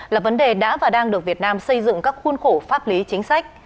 là vấn đề đã và đang được việt nam xây dựng các khuôn khổ pháp lý chính sách